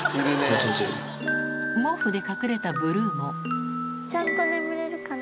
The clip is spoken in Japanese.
毛布で隠れたブルーも。